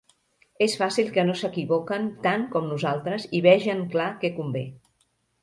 És fàcil que no s'equivoquen tant com nosaltres i vegen clar què convé;